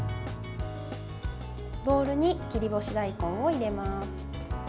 ボウルに切り干し大根を入れます。